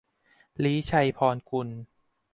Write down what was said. ลี้ชัยพรกุล